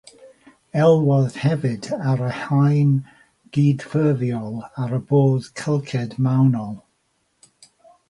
Elwodd hefyd ar yr haen gydffurfiol ar y bwrdd cylched mewnol.